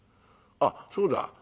あっそうだ。